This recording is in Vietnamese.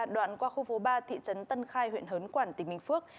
đoạn qua khu phố ba thị trấn tân khai huyện hớn quản tỉnh bình phước